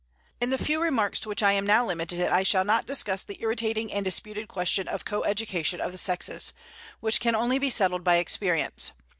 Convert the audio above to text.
In the few remarks to which I am now limited I shall not discuss the irritating and disputed question of co education of the sexes, which can only be settled by experience.